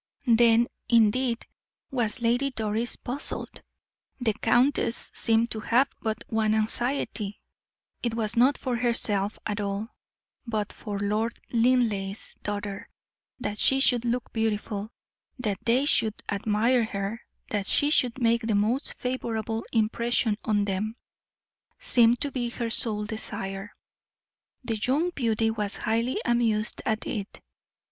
Then, indeed, was Lady Doris puzzled. The countess seemed to have but one anxiety: it was not for herself at all, but for Lord Linleigh's daughter that she should look beautiful, that they should admire her, that she should make the most favorable impression on them, seemed to be her sole desire. The young beauty was highly amused at it.